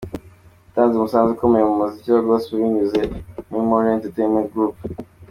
Yatanze umusanzu ukomeye mu muziki wa Gospel binyuze muri Moriah Entertainment Group.